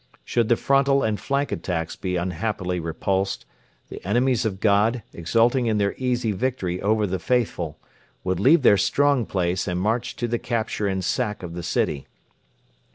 Should the frontal and flank attacks be unhappily repulsed, the 'enemies of God,' exulting in their easy victory over the faithful, would leave their strong place and march to the capture and sack of the city.